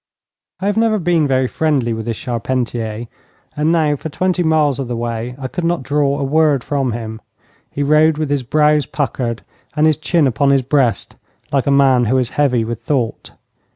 I have never been very friendly with this Charpentier; and now for twenty miles of the way I could not draw a word from him. He rode with his brows puckered and his chin upon his breast, like a man who is heavy with thought.